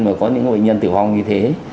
mà có những bệnh nhân tử vong như thế